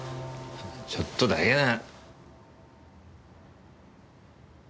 ちょっとだけだ。